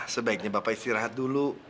sebaiknya bapak istirahat dulu